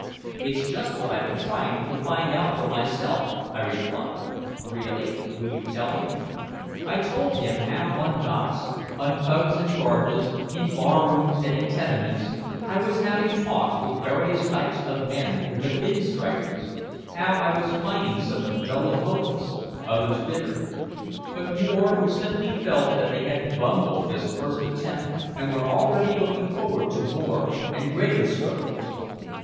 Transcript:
"It's just what I've been trying to find out for myself," I replied. "Really? Will you tell me?" I told him how on docks, on tugs and barges, in barrooms and in tenements, I was having talks with various types of men who had been strikers, how I was finding some dull and hopeless, others bitter, but more who simply felt that they had bungled this first attempt and were already looking forward to more and greater struggles.